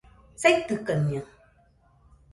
saitɨkaɨñaɨ